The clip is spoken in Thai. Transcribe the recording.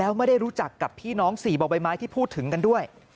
แล้วไม่ได้รู้จักกับพี่น้อง๔บ่อใบไม้ที่พูดถึงกันด้วย